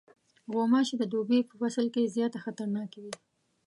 غوماشې د دوبی فصل کې زیاته خطرناکې وي.